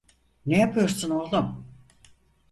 Ne yapıyorsun oğlum?